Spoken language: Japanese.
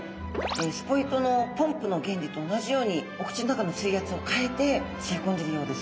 スポイトのポンプの原理と同じようにお口の中の水圧を変えて吸い込んでるようです。